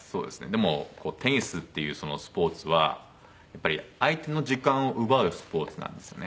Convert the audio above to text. でもテニスっていうスポーツはやっぱり相手の時間を奪うスポーツなんですよね。